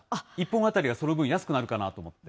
１本当たりがその分、安くなるかなと思って。